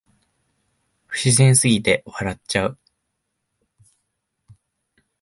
不自然すぎて笑っちゃう